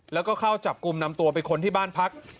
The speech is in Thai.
แล้วก็เข้าจับกลุ่มนำตัวไปค้นที่บ้านพัก